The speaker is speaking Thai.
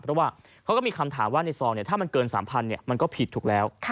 เพราะว่าเขาก็มีคำถามว่าในซองถ้ามันเกิน๓๐๐มันก็ผิดถูกแล้ว